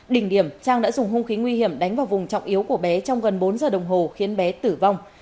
đỉnh điểm trang đã dùng hung khí nguy hiểm đánh vào vùng trọng yếu của bé trong gần bốn giờ đồng hồ khiến bé tử vong